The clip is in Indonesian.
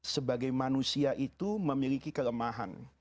sebagai manusia itu memiliki kelemahan